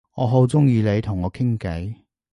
我好鍾意你同我傾偈